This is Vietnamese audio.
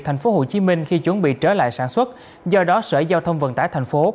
thành phố hồ chí minh khi chuẩn bị trở lại sản xuất do đó sở giao thông vận tải thành phố